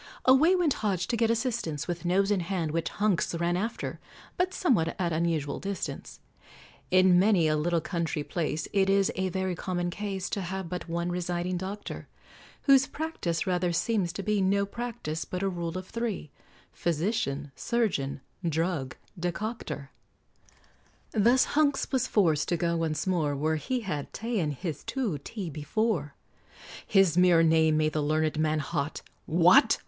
Away went Hodge to get assistance, With nose in hand, which Hunks ran after, But somewhat at unusual distance. In many a little country place It is a very common case To have but one residing doctor, Whose practice rather seems to be No practice, but a rule of three, Physician surgeon drug decoctor; Thus Hunks was forced to go once more Where he had ta'en his to t' before. His mere name made the learned man hot, "What!